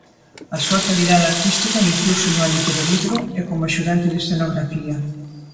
A súa actividade artística iniciouse no ámbito do vidro e como axudante de escenografía.